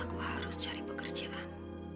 aku harus cari pekerjaan